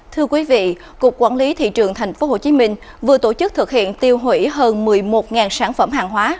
thưa quý vị cục quản lý thị trường tp hcm vừa tổ chức thực hiện tiêu hủy hơn một mươi một sản phẩm hàng hóa